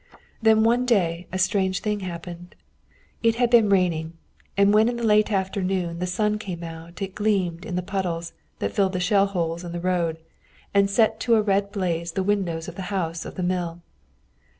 Then one day a strange thing happened. It had been raining, and when in the late afternoon the sun came out it gleamed in the puddles that filled the shell holes in the road and set to a red blaze the windows of the house of the mill.